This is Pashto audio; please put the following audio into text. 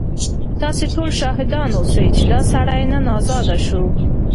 تاسو ټول شاهدان اوسئ چې دا سړی نن ازاد شو.